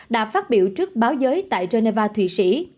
đã phát biểu trước báo giới tại geneva thụy sĩ